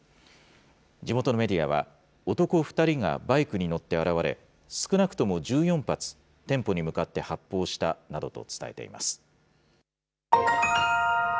地元のメディアは、男２人がバイクに乗って現れ、少なくとも１４発、店舗に向かって発砲したなどと伝えています。